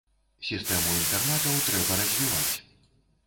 Сістэму інтэрнатаў трэба развіваць.